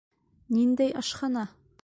Ниндәй ашхана?